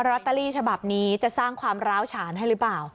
ลอตเตอรี่ฉบับนี้จะสร้างความร้าวฉานให้หรือเปล่า